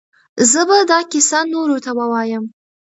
زه به دا کیسه نورو ته ووایم.